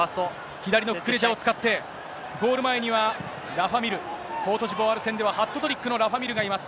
左のククレジャを使って、ゴール前には、ラファ・ミール、コートジボワール戦ではハットトリックのラファ・ミールがいます。